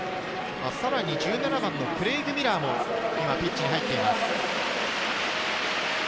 さらに１７番のクレイグ・ミラーも今ピッチに入っています。